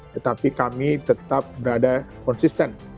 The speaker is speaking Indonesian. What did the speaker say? tetapi kami tetap berada konsisten